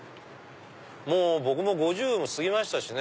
僕も５０過ぎましたしね。